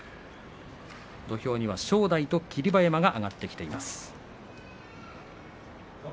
土俵には正代と霧馬山が上がっています。